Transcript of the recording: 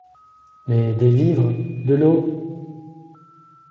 Mais des vivres ? de l’eau ?